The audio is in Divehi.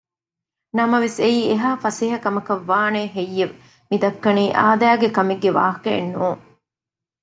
ނަމަވެސް އެއީ އެހާ ފަސޭހަ ކަމަކަށް ވާނެ ހެއްޔެވެ؟ މި ދައްކަނީ އާދައިގެ ކަމެއް ގެ ވާހަކައެއް ނޫން